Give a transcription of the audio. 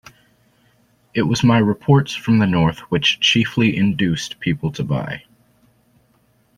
It was my reports from the north which chiefly induced people to buy.